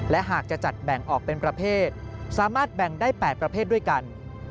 และหากจะจัดแบ่งออกเป็นประเภทสามารถแบ่งได้๘ประเภทด้วยกัน